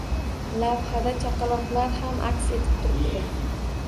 Lavhada chaqaloqlar ham aks etib turibdi.